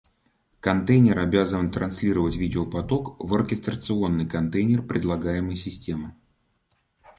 Контейнер обязан транслировать видеопоток в оркестрационный контейнер предлагаемой системы